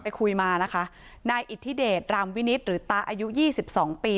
คุยมานะคะนายอิทธิเดชรามวินิตหรือตาอายุยี่สิบสองปี